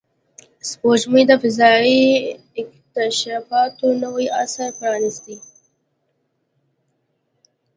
سپوږمۍ د فضایي اکتشافاتو نوی عصر پرانستی